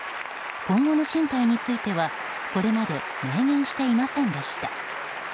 今後の進退についてはこれまで明言していませんでした。